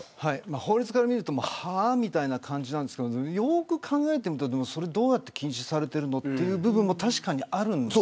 法律から見るとはあ、みたいな感じですがよく考えてみるとどうやって禁止されているのという部分もあります。